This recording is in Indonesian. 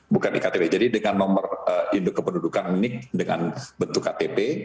bukan iktp jadi dengan nomor induk kependudukan ini dengan bentuk ktp